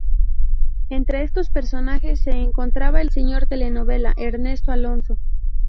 Entre estos personajes se encontraba el señor telenovela, Ernesto Alonso.